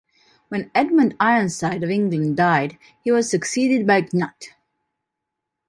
When Edmund Ironside of England died, he was succeeded by Cnut.